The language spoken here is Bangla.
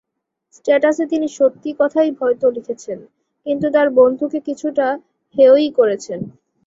স্ট্যাটাসে তিনি সত্যি কথাই হয়তো লিখেছেন, কিন্তু তাঁর বন্ধুকে কিছুটা হেয়ই করেছেন।